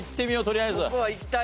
とりあえず。